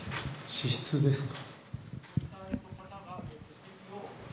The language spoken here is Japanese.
資質ですか？